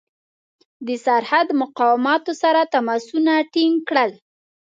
د سرحد مقاماتو سره تماسونه ټینګ کړل.